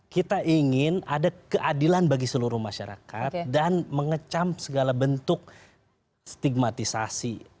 kita ingin ada keadilan bagi seluruh masyarakat dan mengecam segala bentuk stigmatisasi